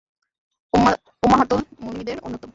উম্মাহাতুল মুমিনীনদের অন্যতম।